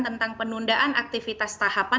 tentang penundaan aktivitas tahapan